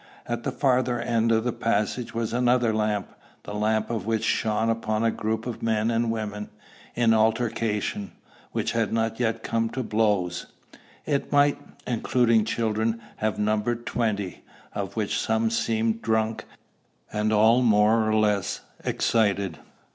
At the farther end of the passage was another lamp, the light of which shone upon a group of men and women, in altercation, which had not yet come to blows. It might, including children, have numbered twenty, of which some seemed drunk, and all more or less excited.